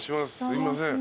すいません。